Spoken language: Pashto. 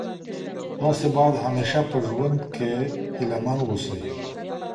تاسي باید همېشه په ژوند کي هیله من اوسئ.